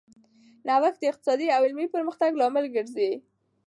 نوښت د اقتصادي او علمي پرمختګ لامل ګرځي.